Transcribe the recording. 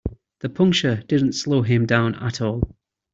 The puncture didn't slow him down at all.